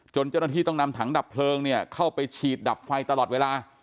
เจ้าหน้าที่ต้องนำถังดับเพลิงเนี่ยเข้าไปฉีดดับไฟตลอดเวลา